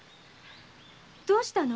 どうしたの？